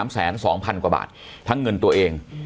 ๓๐๐๒๐๐๐กว่าบาททั้งเงินตัวเอง